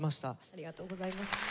ありがとうございます。